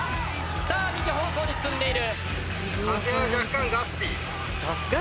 さあ右方向に進んでいる！